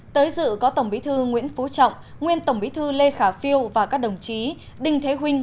tới dự có tổng bí thư nguyễn phú trọng nguyên tổng bí thư lê khả phiêu và các đồng chí đinh thế huynh